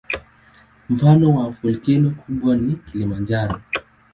Mfano wa volkeno kubwa ni Kilimanjaro.